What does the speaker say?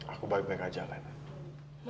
aku baik baik aja jalanan